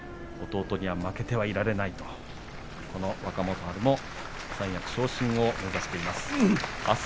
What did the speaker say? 弟には負けてはいられないとこの若元春も三役昇進を目指しています。